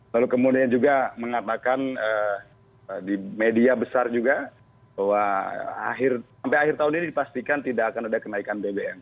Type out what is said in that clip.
lalu kemudian juga mengatakan di media besar juga bahwa sampai akhir tahun ini dipastikan tidak akan ada kenaikan bbm